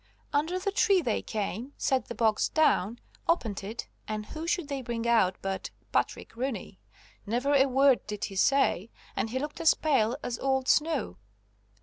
Under the tree they came, set the box down, opened it, and who should they bring out but Patrick Rooney. Never a word did he say, and he looked as pale as old snow.